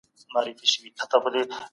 هغه د اعتکاف لپاره څلویښت ورځې کښېنست.